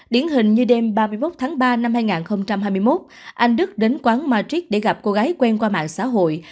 điển hình như đêm ba mươi một tháng ba năm hai nghìn hai mươi một anh đức đến quán matrick để gặp cô gái quen qua mạng xã hội